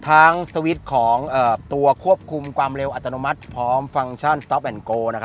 ทางของเอ่อตัวควบคุมความเร็วอัตโนมัติพร้อมฟังก์ชั่นแล้วก็